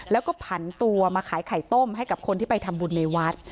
แล้วก็ผันตัวมาขายไข่ต้มให้กับคนที่ไปทำบุญในวัด